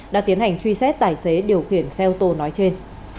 đã tiến hành truy xét tài xế điều khiển xe ô tô nói trên